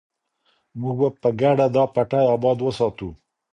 موږ به په ګډه دا پټی اباد وساتو.